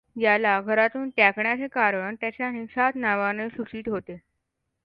याला घरातून त्यागण्याचे कारण त्याच्या निषाद नावाने सुचित होते.